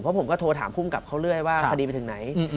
เพราะผมก็โทรถามภูมิกับเขาเรื่อยว่าคดีไปถึงไหน